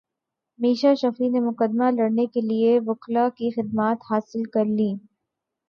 میشا شفیع نے مقدمہ لڑنے کیلئے وکلاء کی خدمات حاصل کرلیں